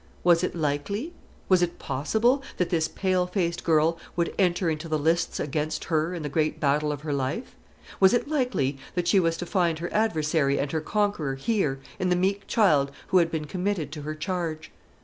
Was it likely, was it possible, that this pale faced girl would enter into the lists against her in the great battle of her life? Was it likely that she was to find her adversary and her conqueror here, in the meek child who had been committed to her charge?